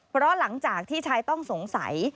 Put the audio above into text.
เพราะหลังจากที่ชายต้องสงสัย